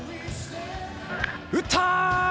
打った！